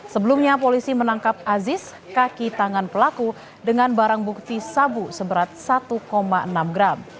sebelumnya polisi menangkap aziz kaki tangan pelaku dengan barang bukti sabu seberat satu enam gram